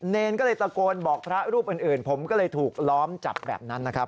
เนรก็เลยตะโกนบอกพระรูปอื่นผมก็เลยถูกล้อมจับแบบนั้นนะครับ